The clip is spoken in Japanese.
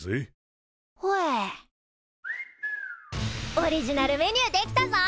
オリジナルメニュー出来たぞ。